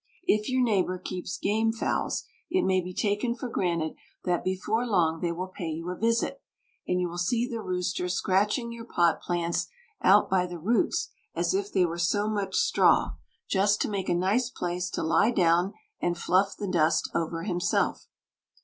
If your neighbour keeps game fowls, it may be taken for granted that before long they will pay you a visit, and you will see the rooster scratching your pot plants out by the roots as if they were so much straw, just to make a nice place to lie down and fluff the dust over himself.